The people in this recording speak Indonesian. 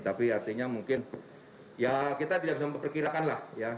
tapi artinya mungkin ya kita tidak bisa memperkirakan lah ya